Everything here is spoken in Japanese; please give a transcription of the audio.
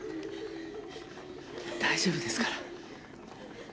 大丈夫ですから。